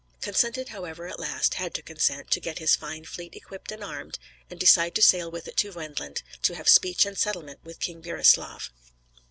Consented, however, at last, had to consent, to get his fine fleet equipped and armed, and decide to sail with it to Wendland to have speech and settlement with King Burislav.